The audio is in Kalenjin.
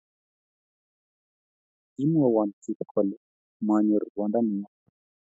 Kimwowo Kip kole manyor ruondo neyame